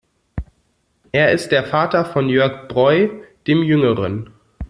Er ist der Vater von Jörg Breu dem Jüngeren.